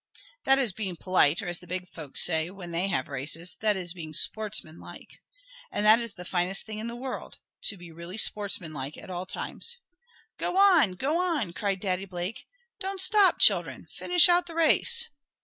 That is being polite, or, as the big folks say; when they have races, that is being "sportsman like," and that that is the finest thing in the world to be really "sportsman like" at all times. "Go on! Go on!" cried Daddy Blake. "Don't stop, children! Finish out the race!"